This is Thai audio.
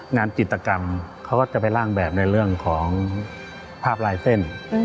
งานจิตกรรมเขาก็จะไปล่างแบบในเรื่องของภาพลายเส้น